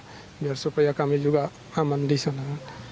untuk berhentikan itu saja supaya kami juga aman disana